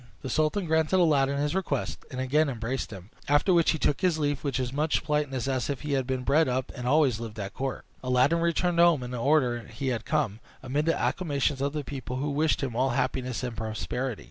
The sultan granted Aladdin his request, and again embraced him. After which he took his leave with as much politeness as if he had been bred up and had always lived at court. Aladdin returned home in the order he had come, amid the acclamations of the people, who wished him all happiness and prosperity.